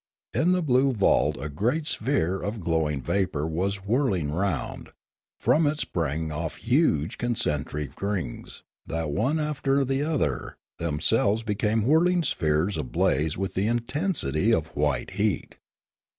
In the blue vault a great sphere of glowing vapour was whirling round; from it sprang off huge concentric rings, that one after the other, themselves became whirling spheres ablaze with the intensity of white heat.